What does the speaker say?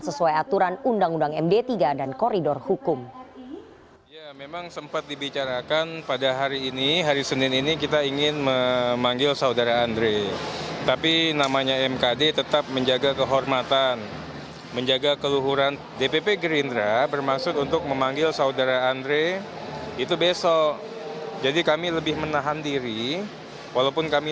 sesuai aturan undang undang md tiga dan koridor hukum